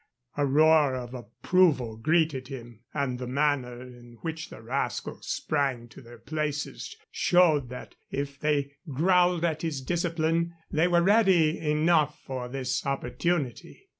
A roar of approval greeted him, and the manner in which the rascals sprang to their places showed that, if they growled at his discipline, they were ready enough for this opportunity.